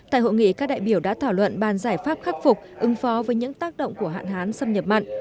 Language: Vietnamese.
tại hội nghị các đại biểu đã thảo luận bàn giải pháp khắc phục ứng phó với những tác động của hạn hán xâm nhập mặn